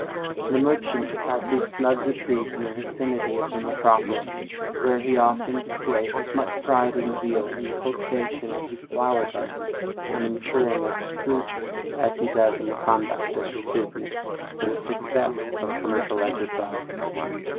The merchant has his snug retreat in the vicinity of the metropolis, where he often displays as much pride and zeal in the cultivation of his flower garden, and the maturing of his fruits, as he does in the conduct of his business, and the success of a commercial enterprise.